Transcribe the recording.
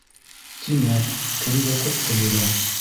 Тимәк, кемдер ҡотҡо бирә.